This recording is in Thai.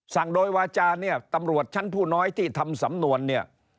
โดยวาจาเนี่ยตำรวจชั้นผู้น้อยที่ทำสำนวนเนี่ย